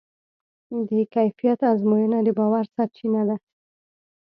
د کیفیت ازموینه د باور سرچینه ده.